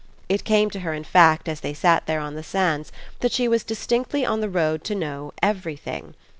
It came to her in fact as they sat there on the sands that she was distinctly on the road to know Everything.